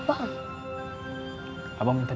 bisnis bisa memahami